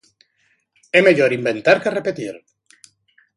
É mellor inventar que repetir.